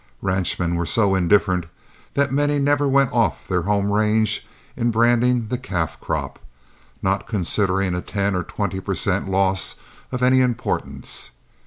Ranchmen were so indifferent that many never went off their home range in branding the calf crop, not considering a ten or twenty per cent loss of any importance.